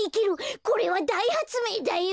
これはだいはつめいだよ！